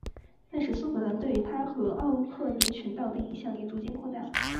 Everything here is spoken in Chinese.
但是苏格兰对于它和奥克尼群岛的影响也逐渐扩大。